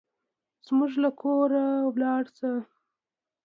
زموږ له کوره لاړ شه.